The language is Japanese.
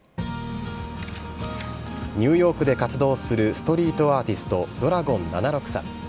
ニューヨークで活動するストリートアーティストＤｒａｇｏｎ７６さん。